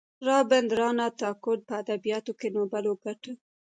رابیندرانات ټاګور په ادبیاتو کې نوبل وګاټه.